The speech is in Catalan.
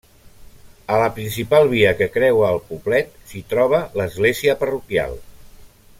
A la principal via que creua el poblet s'hi troba l'església parroquial.